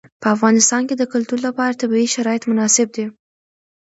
په افغانستان کې د کلتور لپاره طبیعي شرایط مناسب دي.